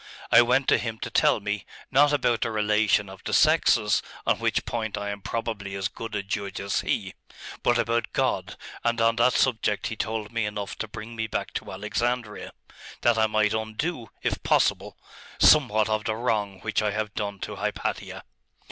I went to him to tell me, not about the relation of the sexes, on which point I am probably as good a judge as he but about God and on that subject he told me enough to bring me back to Alexandria, that I might undo, if possible, somewhat of the wrong which I have done to Hypatia.